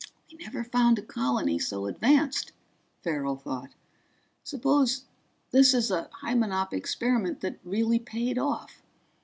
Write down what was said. We never found a colony so advanced, Farrell thought. Suppose this is a Hymenop experiment that really paid off?